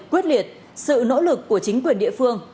quyết liệt sự nỗ lực của chính quyền địa phương